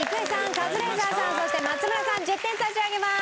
カズレーザーさんそして松村さん１０点差し上げます。